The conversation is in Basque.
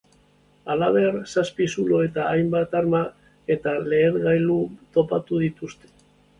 Halaber, zazpi zulo eta hainbat arma eta lehergailu topatu dituzte.